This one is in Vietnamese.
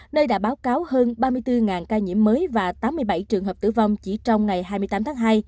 nơi đã báo cáo hơn ba mươi bốn ca nhiễm mới và tám mươi bảy trường hợp tử vong chỉ trong ngày hai mươi tám tháng hai